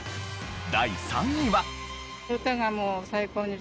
第３位は。